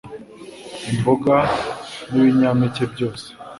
imboga, ni binyampeke byose